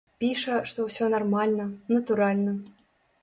Піша, што ўсё нармальна, натуральна.